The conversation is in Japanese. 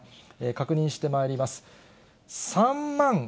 確認してまいります。